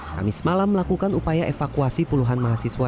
kami semalam melakukan upaya evakuasi puluhan mahasiswa